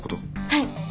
はい。